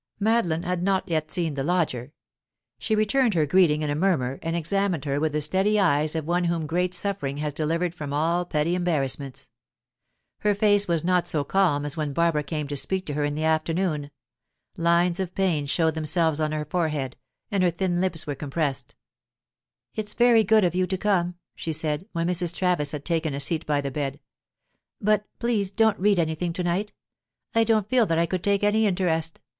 Madeline had not yet seen the lodger; she returned her greeting in a murmur, and examined her with the steady eyes of one whom great suffering has delivered from all petty embarrassments. Her face was not so calm as when Barbara came to speak to her in the afternoon; lines of pain showed themselves on her forehead, and her thin lips were compressed. "It's very good of you to come," she said, when Mrs. Travis had taken a seat by the bed. "But please don't read anything to night. I don't feel that I could take any interest.